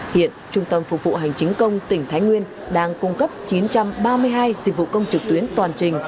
hiện trung tâm phục vụ hành chính công tỉnh thái nguyên đang cung cấp chín trăm ba mươi hai dịch vụ công trực tuyến toàn trình